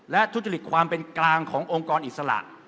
และทุจริตความเป็นกลางขององค์กรอิสระ